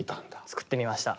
作ってみました。